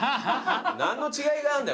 何の違いがあんだよ。